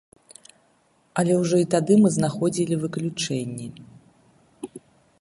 Але ўжо і тады мы знаходзілі выключэнні.